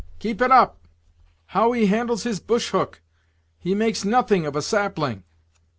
keep it up! how he handles his bush hook! he makes nothing of a sapling!"